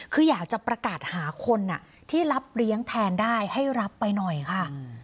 คืออยากจะประกาศหาคนที่รับเลี้ยงแทนได้ให้รับไปหน่อยค่ะ